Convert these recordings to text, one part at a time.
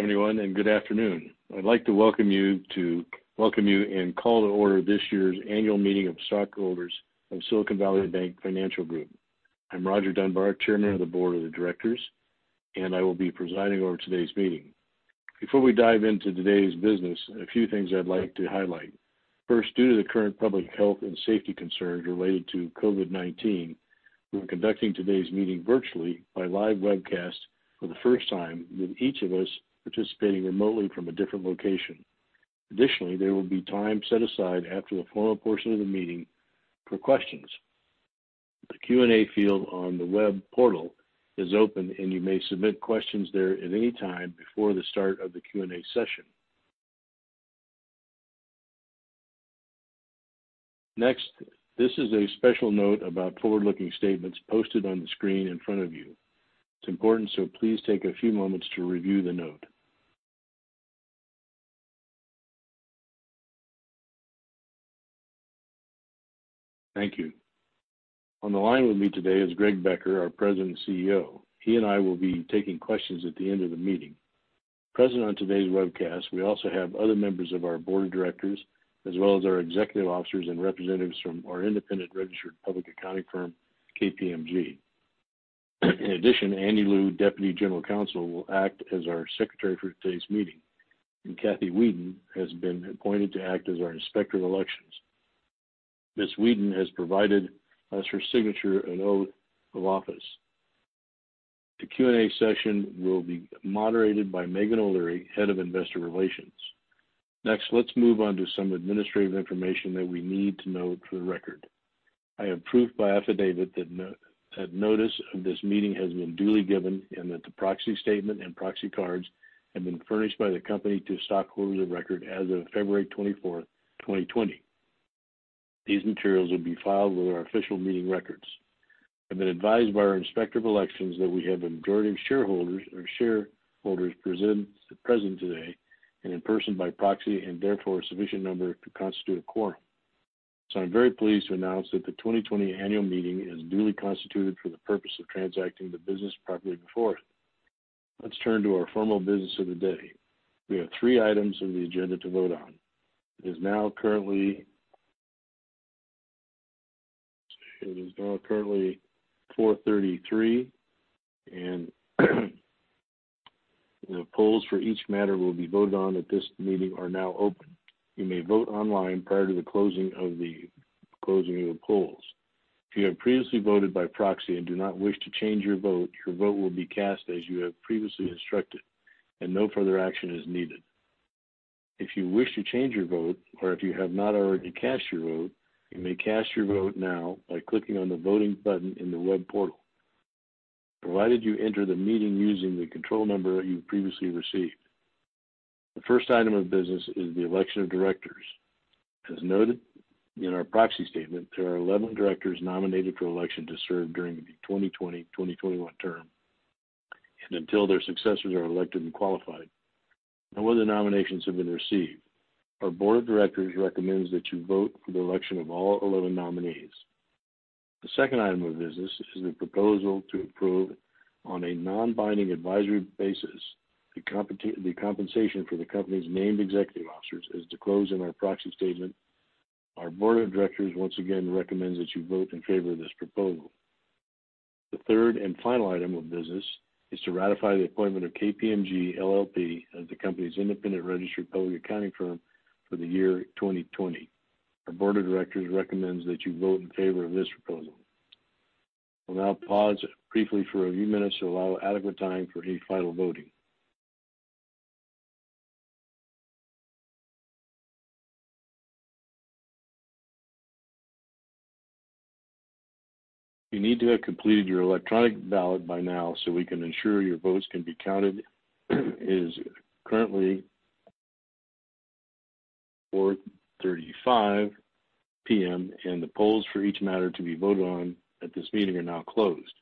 Hello everyone, and good afternoon. I'd like to welcome you and call to order this year's annual meeting of stockholders of Silicon Valley Bank Financial Group. I'm Roger Dunbar, Chairman of the Board of Directors, and I will be presiding over today's meeting. Before we dive into today's business, a few things I'd like to highlight. First, due to the current public health and safety concerns related to COVID-19, we're conducting today's meeting virtually by live webcast for the first time, with each of us participating remotely from a different location. Additionally, there will be time set aside after the formal portion of the meeting for questions. The Q&A field on the web portal is open, and you may submit questions there at any time before the start of the Q&A session. This is a special note about forward-looking statements posted on the screen in front of you. It's important, so please take a few moments to review the note. Thank you. On the line with me today is Greg Becker, our President and Chief Executive Officer. He and I will be taking questions at the end of the meeting. Present on today's webcast, we also have other members of our board of directors, as well as our executive officers and representatives from our independent registered public accounting firm, KPMG. In addition, Annie Lu, Deputy General Counsel, will act as our secretary for today's meeting, and Kathy Weeden has been appointed to act as our Inspector of Elections. Ms. Weeden has provided us her signature and oath of office. The Q&A session will be moderated by Meghan O'Leary, Head of Investor Relations. Let's move on to some administrative information that we need to note for the record. I am proof by affidavit that notice of this meeting has been duly given and that the proxy statement and proxy cards have been furnished by the company to stockholders of record as of February 24th, 2020. These materials will be filed with our official meeting records. I've been advised by our inspector of elections that we have a majority of shareholders present today in person by proxy and therefore a sufficient number to constitute a quorum. I'm very pleased to announce that the 2020 annual meeting is duly constituted for the purpose of transacting the business properly before us. Let's turn to our formal business of the day. We have three items on the agenda to vote on. It is now currently 4:33 P.M., and the polls for each matter will be voted on at this meeting are now open. You may vote online prior to the closing of the polls. If you have previously voted by proxy and do not wish to change your vote, your vote will be cast as you have previously instructed, and no further action is needed. If you wish to change your vote or if you have not already cast your vote, you may cast your vote now by clicking on the voting button in the web portal, provided you enter the meeting using the control number you previously received. The first item of business is the election of directors. As noted in our proxy statement, there are 11 directors nominated for election to serve during the 2020-2021 term and until their successors are elected and qualified. No other nominations have been received. Our board of directors recommends that you vote for the election of all 11 nominees. The second item of business is the proposal to approve on a non-binding advisory basis the compensation for the company's named executive officers, as disclosed in our proxy statement. Our board of directors once again recommends that you vote in favor of this proposal. The third and final item of business is to ratify the appointment of KPMG LLP as the company's independent registered public accounting firm for the year 2020. Our board of directors recommends that you vote in favor of this proposal. I will now pause briefly for a few minutes to allow adequate time for any final voting. You need to have completed your electronic ballot by now so we can ensure your votes can be counted. It is currently 4:35 P.M., and the polls for each matter to be voted on at this meeting are now closed.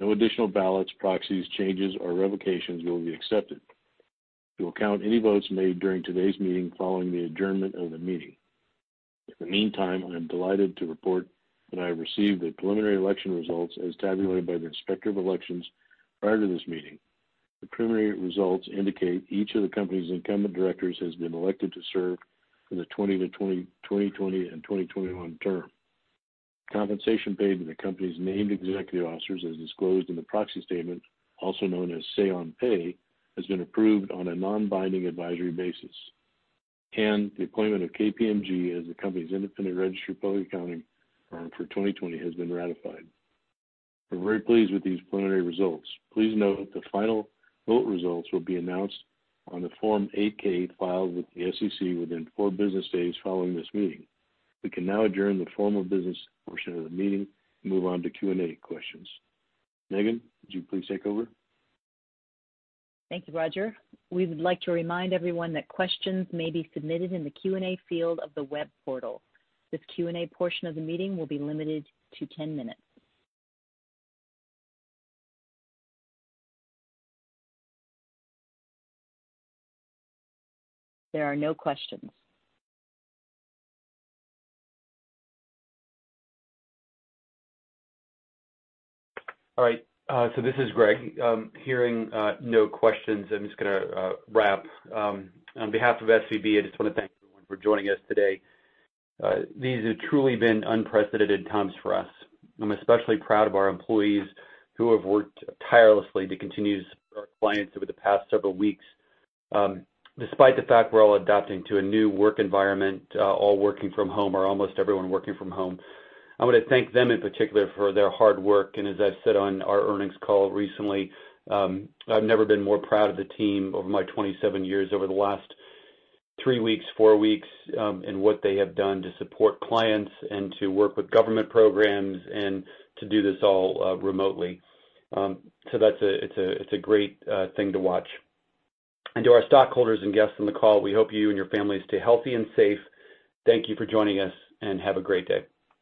No additional ballots, proxies, changes, or revocations will be accepted. We will count any votes made during today's meeting following the adjournment of the meeting. In the meantime, I am delighted to report that I have received the preliminary election results as tabulated by the Inspector of Elections prior to this meeting. The preliminary results indicate each of the company's incumbent directors has been elected to serve for the 2020 and 2021 term. Compensation paid to the company's named executive officers, as disclosed in the proxy statement, also known as say on pay, has been approved on a non-binding advisory basis, and the appointment of KPMG as the company's independent registered public accounting firm for 2020 has been ratified. I'm very pleased with these preliminary results. Please note the final vote results will be announced on the Form 8-K filed with the SEC within four business days following this meeting. We can now adjourn the formal business portion of the meeting and move on to Q&A questions. Meghan, would you please take over? Thank you, Roger. We would like to remind everyone that questions may be submitted in the Q&A field of the web portal. This Q&A portion of the meeting will be limited to 10 minutes. There are no questions. All right. This is Greg. Hearing no questions, I'm just going to wrap. On behalf of SVB, I just want to thank everyone for joining us today. These have truly been unprecedented times for us. I'm especially proud of our employees who have worked tirelessly to continue to support our clients over the past several weeks, despite the fact we're all adapting to a new work environment, all working from home or almost everyone working from home. I want to thank them in particular for their hard work. As I've said on our earnings call recently, I've never been more proud of the team over my 27 years, over the last three weeks, four weeks, and what they have done to support clients and to work with government programs and to do this all remotely. It's a great thing to watch. To our stockholders and guests on the call, we hope you and your families stay healthy and safe. Thank you for joining us, and have a great day.